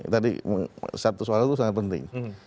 tadi satu suara itu sangat penting